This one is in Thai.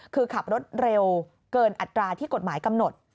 คือขับรถเร็วเกินอัตราที่กฎหมายกำหนด